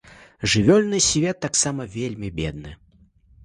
Жывёльны свет таксама вельмі бедны.